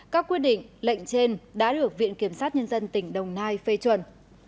các quyết định lệnh trên đã được viện kiểm sát nhân dân tỉnh đồng nai phê chuẩn